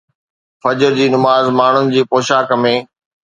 فجر جي نماز ماڻهن جي پوشاڪ ۾